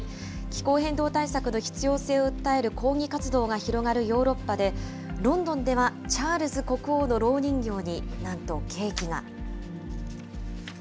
気候変動対策の必要性を訴える抗議活動が広がるヨーロッパで、ロンドンではチャールズ国王のろう人形に、なんとケーキが。